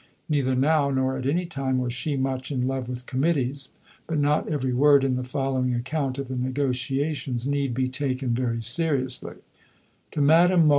Neither now, nor at any time, was she much in love with committees, but not every word in the following account of the negotiations need be taken very seriously: (_To Madame Mohl.